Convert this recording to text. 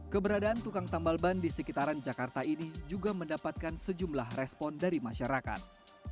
keberadaan tukang tambal ban di sekitaran jakarta ini juga mendapatkan sejumlah respon dari masyarakat